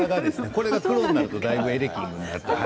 これが黒になるとだいぶエレキング